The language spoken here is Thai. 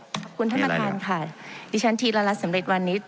ขอบคุณท่านประธานค่ะดิฉันธีรรัฐสำเร็จวันนี้